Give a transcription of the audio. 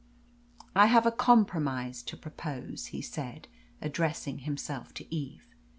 "I have a compromise to propose," he said, addressing himself to Eve.